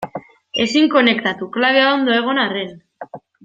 Ezin konektatu, klabea ondo egon arren.